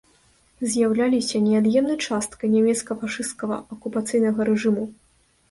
З'яўляліся неад'емнай часткай нямецка-фашысцкага акупацыйнага рэжыму.